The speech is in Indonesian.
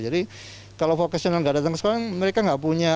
jadi kalau vokasional nggak datang ke sekolah mereka nggak punya